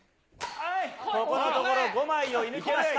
ここのところ５枚を射ぬきました。